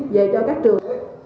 về cho các trường